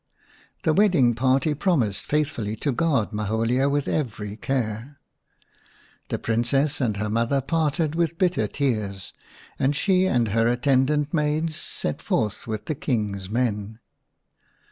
/ The wedding party promised x^ithfully to guard Maholia with every care^ The Princess and her mother parted with bitter tears, and she and her attendant maids set forth with the King's men.